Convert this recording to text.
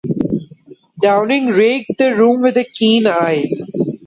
Downing raked the room with a keen eye.